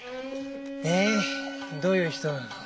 でどういう人なの？